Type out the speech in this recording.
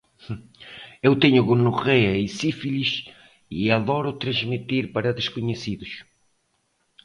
Eu tenho gonorreia e sífilis e adoro transmitir para desconhecidos